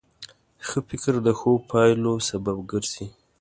ښه فکر د ښو پایلو سبب ګرځي.